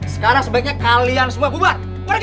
sekarang sebaiknya kalian semua bubar